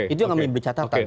itu yang kami catatan